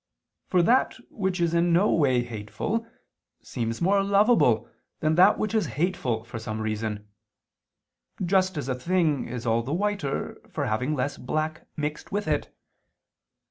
For that which is in no way hateful seems more lovable than that which is hateful for some reason: just as a thing is all the whiter for having less black mixed with it.